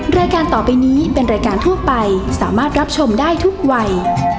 รายการต่อไปนี้เป็นรายการทั่วไปสามารถรับชมได้ทุกวัย